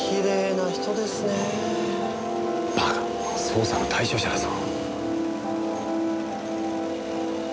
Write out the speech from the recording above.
捜査の対象者だぞ。